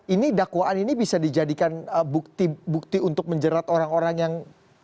ini dakwaan ini bisa dijadikan bukti untuk menjerat orang orang yang